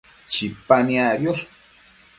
Chipa niacbiosh